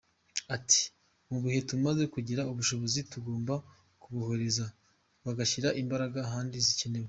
Ati :”mu gihe tumaze kugira ubushobozi tugomba kuborohereza bagashyira imbaraga ahandi zikenewe”.